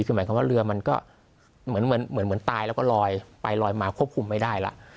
คือหมายความว่าเรือมันก็เหมือนตายแล้วก็ลอยไปลอยมาควบคุมไม่ได้แล้ว